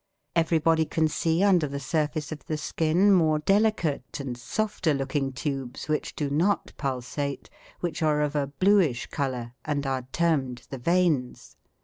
Everybody can see under the surface of the skin more delicate and softer looking tubes, which do not pulsate, which are of a bluish colour, and are termed the veins.